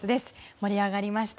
盛り上がりました